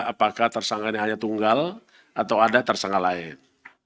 apakah tersangka ini hanya tunggal atau ada tersangka lain